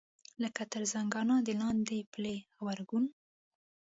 لکه تر زنګانه د لاندې پلې غبرګون.